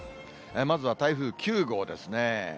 まずは、台風９号ですね。